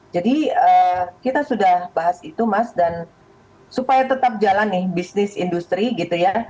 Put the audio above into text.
jadi kita sudah bahas itu mas dan supaya tetap jalan nih bisnis industri gitu ya